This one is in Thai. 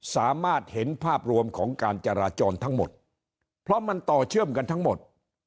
สามารถเห็นภาพรวมของการจราจรทั้งหมดเพราะมันต่อเชื่อมกันทั้งหมด